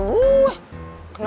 eh udah lulus